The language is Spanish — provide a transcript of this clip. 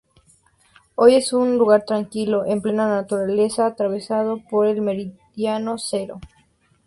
Hoy es un lugar tranquilo, en plena naturaleza, atravesado por el Meridiano Cero.